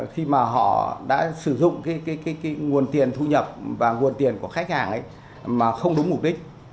khi mà họ đã sử dụng nguồn tiền thu nhập và nguồn tiền của khách hàng ấy mà không đúng mục đích